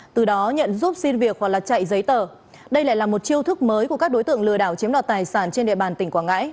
từ đó nhận giúp xin việc hoặc là chạy giấy tờ đây lại là một chiêu thức mới của các đối tượng lừa đảo chiếm đoạt tài sản trên địa bàn tỉnh quảng ngãi